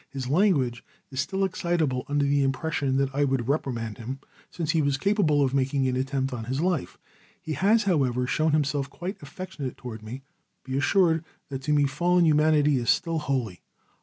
His language is still excitable under the impression that I would reprimand him since he was capable of making an attempt on his life. He has, however, shown himself quite affectionate toward me. Be assured that to me fallen humanity is still holy.